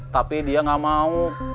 tapi dia gak mau